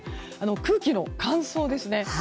空気の乾燥ですね。